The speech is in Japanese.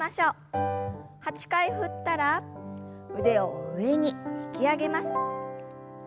８回振ったら腕を上に引き上げます。